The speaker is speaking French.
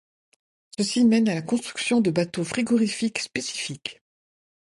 Ceci mène à la construction de bateaux frigorifiques spécifiques.